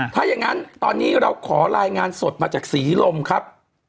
ถ้าอย่างนั้นตอนนี้เราขอรายงานสดมาจากศรีลมครับ